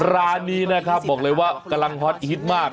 ร้านนี้นะครับบอกเลยว่ากำลังฮอตฮิตมาก